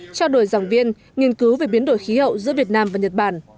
trao đổi giảng viên nghiên cứu về biến đổi khí hậu giữa việt nam và nhật bản